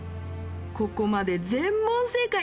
ここまで全問正解！